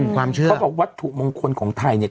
เขาบอกวัดถุบ่งคลของไทย